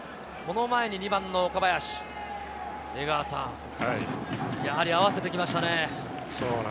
その前に２番の岡林、やはり合わせてきましたね。